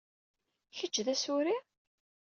Kečč d Asuri?